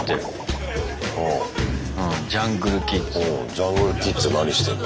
ジャングルキッズ何してんの？